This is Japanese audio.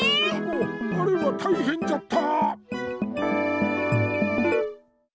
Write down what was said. あれはたいへんじゃった！